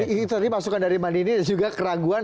ini tadi masukan dari mbak nini ini juga keraguan